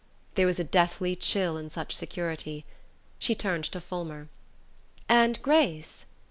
There was a deathly chill in such security. She turned to Fulmer. "And Grace?"